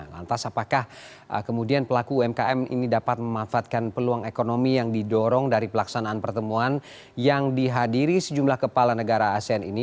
lantas apakah kemudian pelaku umkm ini dapat memanfaatkan peluang ekonomi yang didorong dari pelaksanaan pertemuan yang dihadiri sejumlah kepala negara asean ini